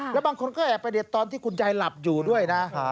แล้วบางคนก็แอบไปเด็ดตอนที่คุณยายหลับอยู่ด้วยนะ